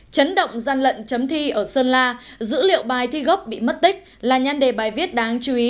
chấn động gian lận chấm thi ở sơn la dữ liệu bài thi gốc bị mất tích là nhan đề bài viết đáng chú ý